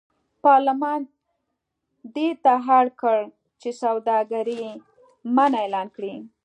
پارلمان دې ته اړ کړ چې سوداګري منع اعلان کړي.